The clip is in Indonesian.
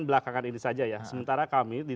belakangan ini saja ya sementara kami di